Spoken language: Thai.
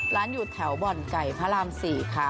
ร้านอยู่แถวบ่อนไก่พระราม๔ค่ะ